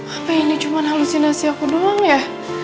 apa ini cuma halusinasi aku doang ya